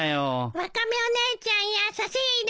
ワカメお姉ちゃん優しいです。